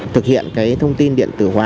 thực hiện cái thông tin điện tử hóa